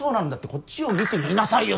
こっちを見て言いなさいよ